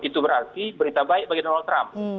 itu berarti berita baik bagi donald trump